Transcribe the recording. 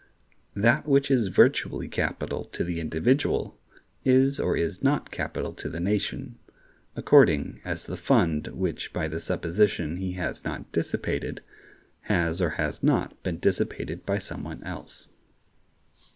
That which is virtually capital to the individual is or is not capital to the nation, according as the fund which by the supposition he has not dissipated has or has not been dissipated by somebody else.